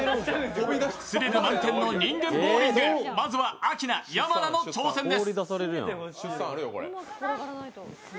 スリル満点な人間ボウリング、まずはアキナ・山名の挑戦です。